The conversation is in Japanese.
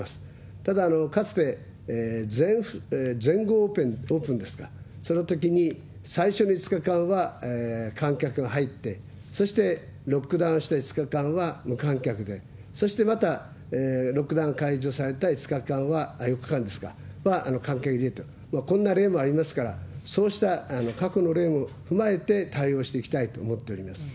ただ、かつて全豪オープンですか、そのときに、最初の２日間は観客が入って、そしてロックダウンした２日間は無観客で、そしてまたロックダウン解除された５日間は、あっ、４日間ですか、観客を入れると、こんな例もありますから、そうした過去の例も踏まえて対応していきたいと思っております。